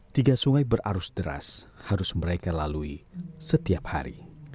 tiga sungai berarus deras harus mereka lalui setiap hari